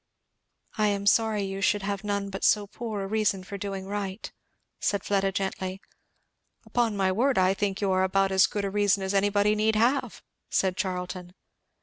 "I am sorry you should have none but so poor a reason for doing right," said Fleda gently. "Upon my word, I think you are about as good reason as anybody need have," said Charlton.